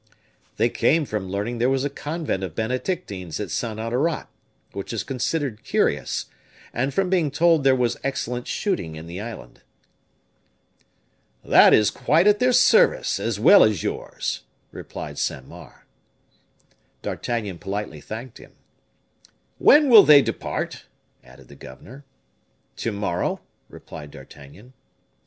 "They came from learning there was a convent of Benedictines at Sainte Honnorat which is considered curious; and from being told there was excellent shooting in the island." "That is quite at their service, as well as yours," replied Saint Mars. D'Artagnan politely thanked him. "When will they depart?" added the governor. "To morrow," replied D'Artagnan.